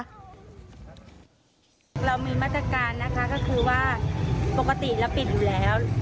เรามีมาตรการนะคะก็คือว่าปกติเราปิดอยู่แล้ว